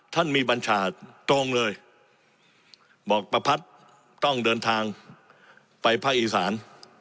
ท่านมีบัญชาตรงเลยบอกประพัดต้องเดินทางไปภาคอีสาน